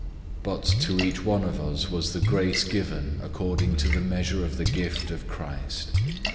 004:007 But to each one of us was the grace given according to the measure of the gift of Christ.